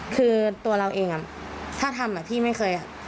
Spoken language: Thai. คือตัวเราเองถ้าทำพี่ไม่เคย